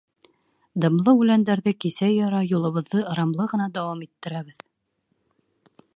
Дымлы үләндәрҙе кисә-яра юлыбыҙҙы ырамлы ғына дауам иттерәбеҙ.